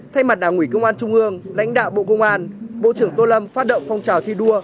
thay mặt đảng ủy công an trung ương lãnh đạo bộ công an bộ trưởng tô lâm phát động phong trào thi đua